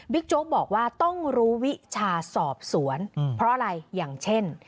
โจ๊กบอกว่าต้องรู้วิชาสอบสวนเพราะอะไรอย่างเช่น